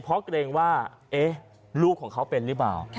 เพราะเกรงว่าลูกของเขาเป็นหรือเปล่า